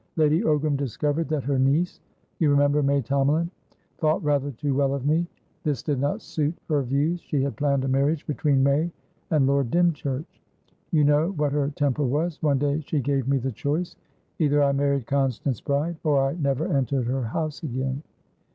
"Lady Ogram discovered that her nieceyou remember May Tomalin? thought rather too well of me. This did not suit her views; she had planned a marriage between May and Lord Dymchurch. You know what her temper was. One day she gave me the choice: either I married Constance Bride, or I never entered her house again.